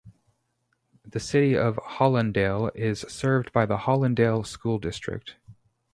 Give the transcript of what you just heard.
The City of Hollandale is served by the Hollandale School District.